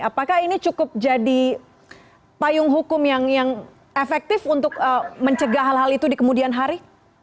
apakah ini cukup jadi payung hukum yang efektif untuk mencegah hal hal itu di kemudian hari